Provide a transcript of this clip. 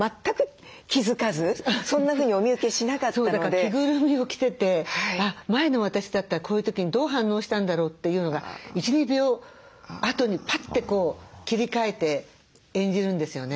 だから着ぐるみを着てて前の私だったらこういう時にどう反応したんだろうというのが１２秒あとにパッてこう切り替えて演じるんですよね。